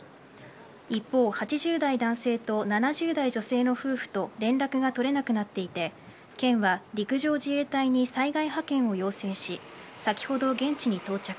一方８０代男性と７０代女性の夫婦と連絡が取れなくなっていて県は陸上自衛隊に災害派遣を要請し先ほど現地に到着。